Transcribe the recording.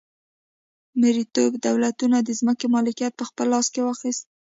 مرئیتوب دولتونو د ځمکې مالکیت په خپل لاس کې واخیست.